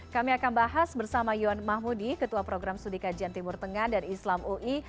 kami akan bahas bersama yon mahmudi ketua program sudikajian timur tengah dan islam ui